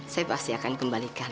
saya pasti akan kembalikan